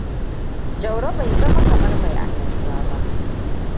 Jaurou bai zama kamar mai annashuwa ba.